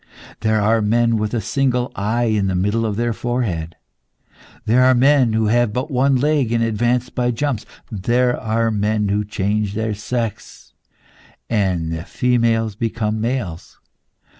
There are men with a single eye in the middle of their forehead. There are men who have but one leg, and advance by jumps. There are men who change their sex, and the females become males.